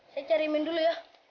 saya cari imin dulu ya